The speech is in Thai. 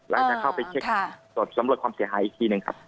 จะเข้าไปเช็คสำรวจความเสียหายอีกทีหนึ่งครับ